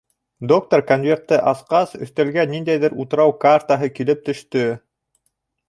Доктор конвертты асҡас, өҫтәлгә ниндәйҙер утрау картаһы килеп төштө.